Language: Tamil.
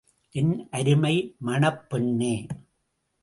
என் அருமை மணப் பெண்ணே!